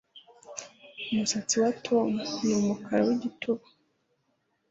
Umusatsi wa Tom ni umukara wigituba